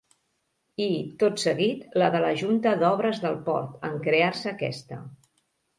I, tot seguit, la de la Junta d'Obres del Port, en crear-se aquesta.